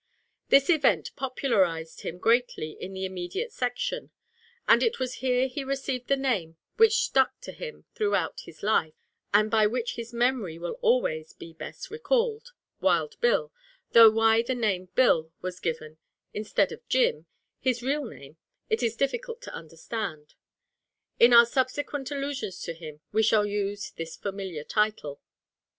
This event popularized him greatly in the immediate section, and it was here he received the name which stuck to him throughout his life and by which his memory will always be best recalled "Wild Bill" though why the name "Bill" was given instead of "Jim," his real name, it is difficult to understand. In our subsequent allusions to him we shall use this familiar title.